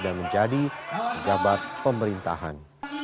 dan menjadi jabat pemerintahan